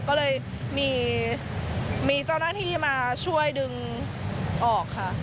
ก็เลยมีเจ้าหน้าที่มาช่วยดึงออกค่ะ